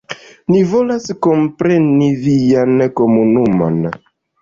Ni volas kompreni vian komunumon.